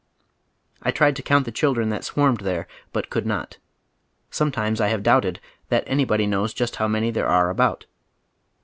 I tried to count the children that swarmed there, but could not. Sometimes I have doubted that anybody knows just liow many there are about.